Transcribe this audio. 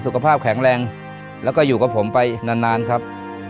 สุขภาพแข็งแรงแล้วก็อยู่กับผมไปนานนานครับ